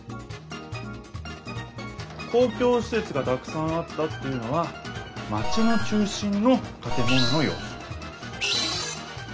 「公共しせつがたくさんあった」っていうのはまちの中心のたて物のようす。